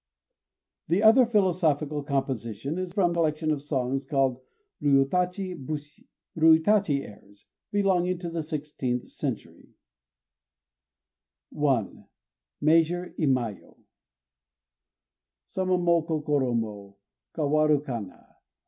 The other philosophical composition is from a collection of songs called Ryûtachi bushi ("Ryûtachi Airs"), belonging to the sixteenth century: I (Measure, Imayô) Sama mo kokoro mo Kawaru kana!